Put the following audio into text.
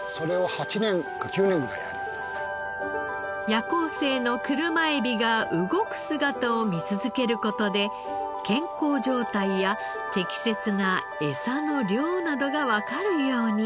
夜行性の車エビが動く姿を見続ける事で健康状態や適切なエサの量などがわかるように。